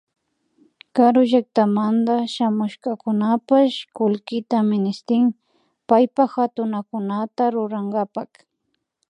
Karu llakatamanta shamushkakunapash kullkita ministin paypa hatunakunata rurankapak